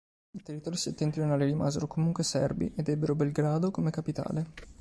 I territori settentrionali rimasero comunque serbi, ed ebbero Belgrado come capitale.